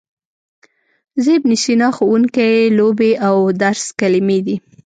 زه، ابن سینا، ښوونکی، لوبې او درس کلمې دي.